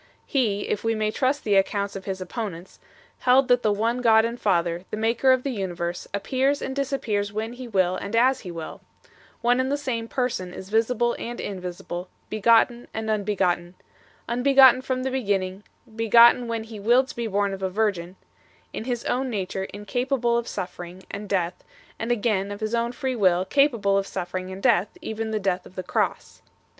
He, if we may trust the accounts of his opponents, held that the one God and Father, the Maker of the universe, appears and disappears when He will and as He will ; one and the same Person is visible and invisible, begotten and unbegotten ; unbegotten from the beginning, begotten when He willed to be born of a virgin ; in His own nature incapable of suffering and death, and again of His own free will capable of suffering and death, even the death of the cross.